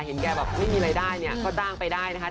เห็นแกแบบไม่มีรายได้เนี่ยก็จ้างไปได้นะคะ